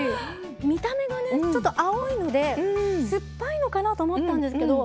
見た目がねちょっと青いので酸っぱいのかなと思ったんですけど。